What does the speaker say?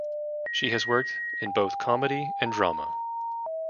She has worked in both comedy and drama.